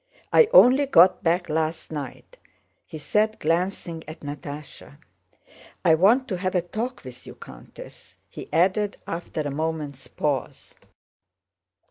I only got back last night," he said glancing at Natásha; "I want to have a talk with you, Countess," he added after a moment's pause.